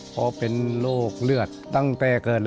เพราะเป็นโรครึยัดตั้งแต่เกิด